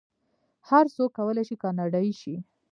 هر څوک کولی شي کاناډایی شي.